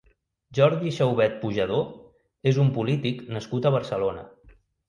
Jordi Xaubet Pujadó és un polític nascut a Barcelona.